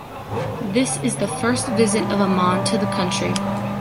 This is the first visit of Amon to the country.